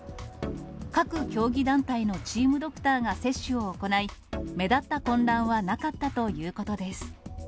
各競技団体のチームドクターが接種を行い、目立った混乱はなかったということです。